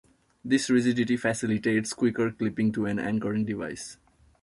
This rigidity facilitates quicker clipping to an anchoring device.